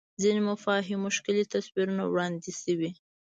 ځینو مفاهیمو ښکلي تصویرونه وړاندې شوي